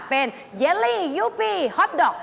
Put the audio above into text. เป็นเยลี่ยูฟี่ฮอตดอก